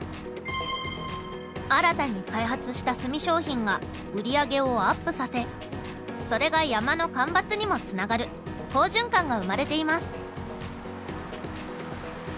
新たに開発した炭商品が売り上げをアップさせそれが山の間伐にもつながる好循環が生まれています。